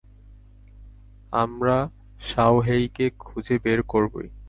আমরা শাওহেইকে খুঁজে বের করবোই।